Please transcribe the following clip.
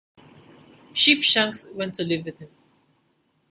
Sheepshanks went to live with him.